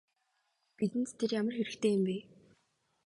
Бидэнд тэр ямар хэрэгтэй юм бэ?